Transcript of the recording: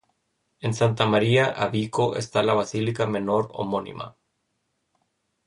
En Santa Maria a Vico está la basílica menor homónima.